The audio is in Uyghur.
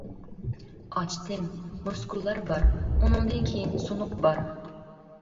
-ئاچتىم، مۇسكۇللار بار، ئۇنىڭدىن كېيىن سۇنۇق بار.